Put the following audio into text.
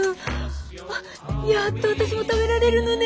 あっやっと私も食べられるのね。